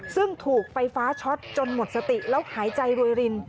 ซึ่งถูกไฟฟ้าช็อตจนหมดสติแล้วหายใจรวยริน